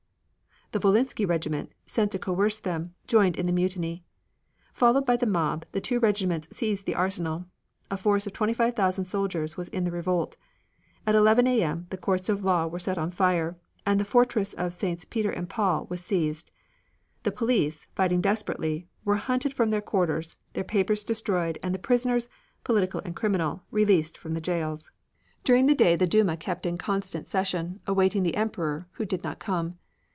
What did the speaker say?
The Volynsky regiment, sent to coerce them, joined in the mutiny. Followed by the mob, the two regiments seized the arsenal. A force of 25,000 soldiers was in the revolt. At 11 A. M., the Courts of Law were set on fire and the fortress of SS. Peter and Paul was seized. The police, fighting desperately, were hunted from their quarters, their papers destroyed and the prisoners, political and criminal, released from the jails. During the day the Duma kept in constant session, awaiting the Emperor, who did not come.